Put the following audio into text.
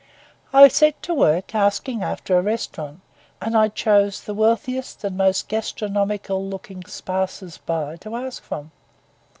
I set to work, asking after a restaurant; and I chose the wealthiest and most gastronomical looking passers by to ask from.